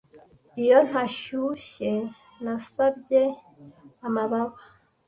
iyo ntashyushye nasabye amababa